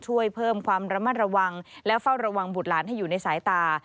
ช่วยเพิ่มความระมัดระวังและเฝ้าระวังบุตรหลานให้อยู่ในสายตา